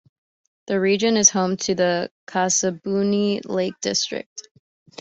The region is home to the Kashubian Lake District.